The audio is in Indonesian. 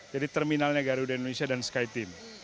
jadi terminalnya garuda indonesia dan sky team